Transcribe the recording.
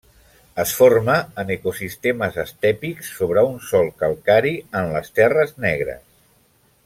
Es forma en ecosistemes estèpics sobre un sòl calcari en les terres negres.